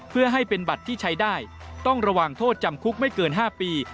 เพื่อให้เป็นบัตรที่ใช้ได้ต้องระวังโทษจำคุกไม่เกิน๕ปี